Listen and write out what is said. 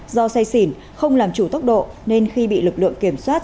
do say xỉn không làm chủ tốc độ nên khi bị lực lượng kiểm soát